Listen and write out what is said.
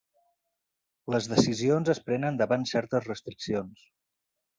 Les decisions es prenen davant certes restriccions.